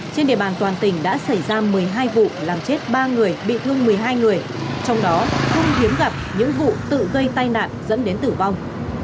trên địa bàn toàn tỉnh đã xảy ra một mươi hai vụ làm chết ba người bị thương một mươi hai người trong đó không hiếm gặp những vụ tự gây tai nạn dẫn đến tử vong